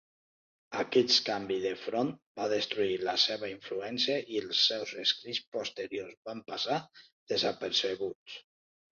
Aquest canvi de front va destruir la seva influència i els seus escrits posteriors van passar desapercebuts.